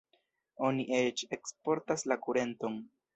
Oni eĉ eksportas la kurenton.